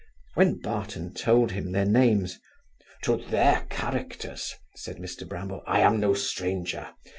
When Barton told him their names, 'To their characters (said Mr Bramble) I am no stranger.